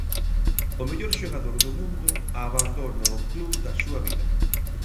O mellor xogador do mundo abandona o club da súa vida.